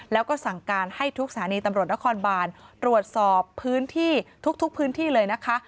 แล้วก็สั่งการให้ทุกสถานีตำรวจนครบานตรวจสอบพื้นที่ทุกพื้นที่เลยนะคะ